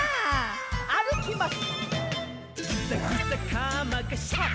あるきます。